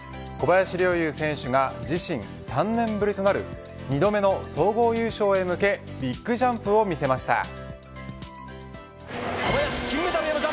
小林陵侑選手が自身３年ぶりとなる２度目の総合優勝へ向けビッグジャンプを見せました。